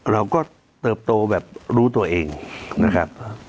เติบโตแบบรู้ตัวเองนะครับ